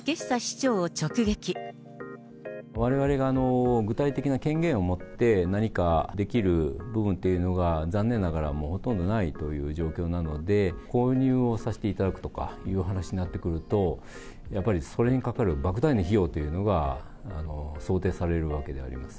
われわれが具体的な権限を持って、何かできる部分っていうのが、残念ながら、もうほとんどないという状況なので、購入をさせていただくとかいう話になってくると、やっぱりそれにかかるばく大な費用というのが想定されるわけであります。